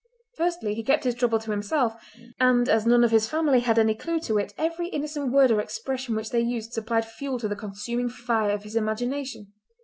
Firstly he kept his trouble to himself, and, as none of his family had any clue to it, every innocent word or expression which they used supplied fuel to the consuming fire of his imagination.